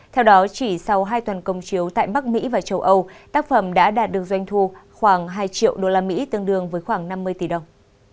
theo đó chỉ sau hai tuần công chiếu tại bắc mỹ và châu âu tác phẩm đã đạt được doanh thu khoảng hai triệu usd tương đương với khoảng năm mươi tỷ đồng